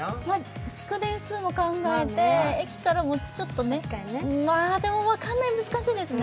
築年数を考えて、駅からもちょっとねでもかなり難しいですね。